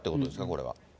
これは。